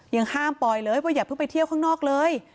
ยังห้ามปอยเลยว่าอย่าเพิ่งไปเที่ยวข้างนอกเลย